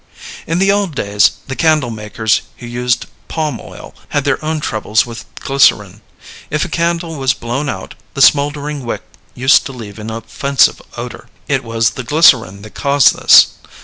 In the old days the candle makers who used palm oil had their own troubles with glycerin. If a candle was blown out, the smoldering wick used to leave an offensive odor. It was the glycerin that caused this.